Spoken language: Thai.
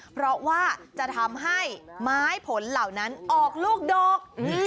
เพราะว่าจะทำให้ไม้ผลเหล่านั้นออกลูกดก